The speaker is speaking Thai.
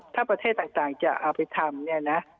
ถ้าประเทศต่างจะเอาไปทำ